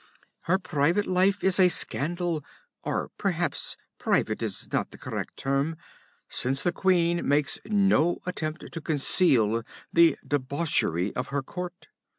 Her private life is a scandal or perhaps "private" is not the correct term, since the queen makes no attempt to conceal the debauchery of her court.